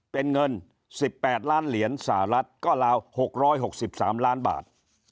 เป็นเงิน๑๘ล้านเหรียญสหรัฐก็ลาว๖๖๓ล้านบาท